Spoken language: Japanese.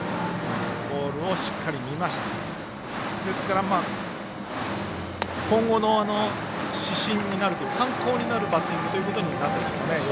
ですから今後の指針になる参考になるバッティングになったんでしょうかね。